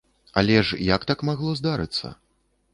Але ж як так магло здарыцца?